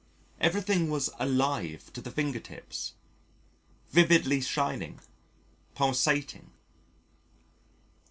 Everything was alive to the finger tips, vividly shining, pulsating.